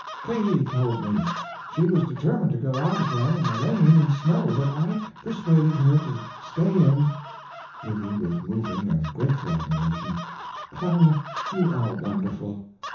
Katie told me. She was determined to go out again in the rain and snow, but I persuaded her to stay in. L. (with moving and grateful admiration). Clara, you are wonderful!